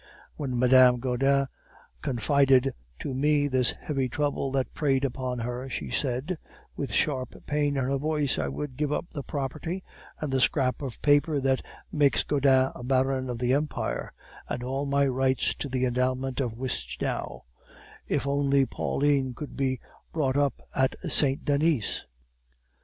When Mme. Gaudin confided to me this heavy trouble that preyed upon her, she said, with sharp pain in her voice, 'I would give up the property and the scrap of paper that makes Gaudin a baron of the empire, and all our rights to the endowment of Wistchnau, if only Pauline could be brought up at Saint Denis?